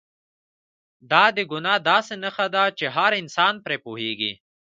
دا د ګناه داسې نښه ده چې هر انسان پرې پوهېږي.